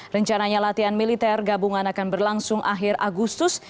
rencananya latihan militer gabungan akan berlangsung akhir agustus